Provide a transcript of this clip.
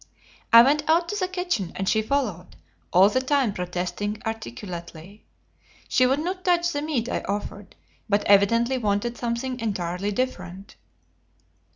I went out to the kitchen, and she followed, all the time protesting articulately. She would not touch the meat I offered, but evidently wanted something entirely different.